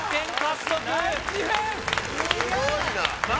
すごいな・